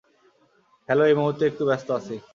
Hello এই মুহুর্তে একটু ব্যস্ত আছি।